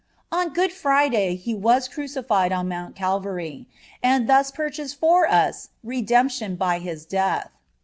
(6) On Good Friday He was crucified on Mount Calvary, and thus purchased for us redemption by His death.